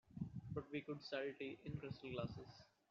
But we could sell tea in crystal glasses.